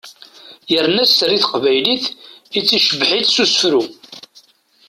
Yerna sser i teqbaylit, ittcebbiḥ-itt s usefru.